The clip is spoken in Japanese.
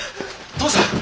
父さん！